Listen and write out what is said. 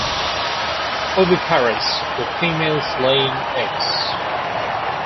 Oviparous, with females laying eggs.